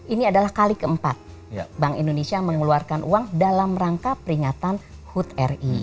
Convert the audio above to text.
ini adalah kali keempat bank indonesia mengeluarkan uang dalam rangka peringatan hud ri